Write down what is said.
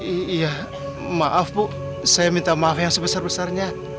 iya maaf bu saya minta maaf yang sebesar besarnya